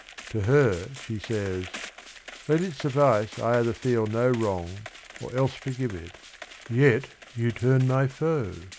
To her, she says : "Let it suffice I either feel no wrong Or else forgive it, — yet you turn my foe